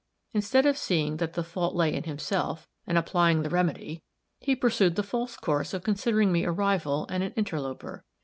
Instead of seeing that the fault lay in himself, and applying the remedy, he pursued the false course of considering me as a rival and an interloper.